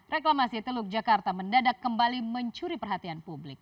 reklamasi teluk jakarta mendadak kembali mencuri perhatian publik